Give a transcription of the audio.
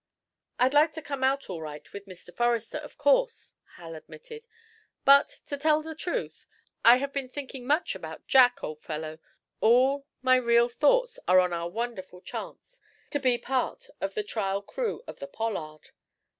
"I'd like to come out all right with Mr. Forrester, of course," Hal admitted. "But, to tell the truth, I haven't been thinking much about Jack, old fellow, all my real thoughts are on our wonderful chance to be part of the trial crew of the 'Pollard.'"